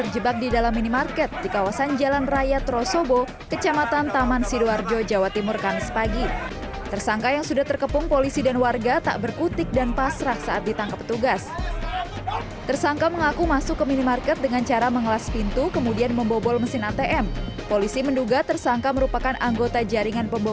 jangan jangan jangan